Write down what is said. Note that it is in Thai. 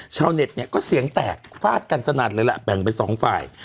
ชาวเน็ตเนี่ยก็เสียงแตกฟาดกันสนัดเลยแหละแบ่งเป็นสองฝ่าย